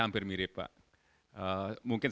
hampir mirip pak mungkin